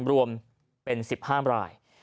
รวมเป็น๑๕ราย